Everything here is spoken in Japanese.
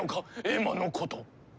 エマのこと。